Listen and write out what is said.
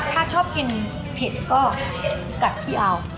ถ้าชอบกินเผ็ดก็กัดพี่เอา